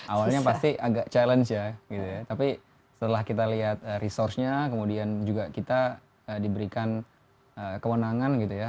awalnya pasti agak challenge ya gitu ya tapi setelah kita lihat resource nya kemudian juga kita diberikan kewenangan gitu ya